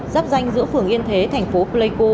dắp danh giữa phường yên thế tp pleiku